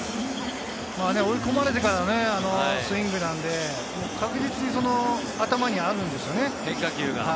追い込まれてからあのスイングなんで確実に頭にあるんですよね。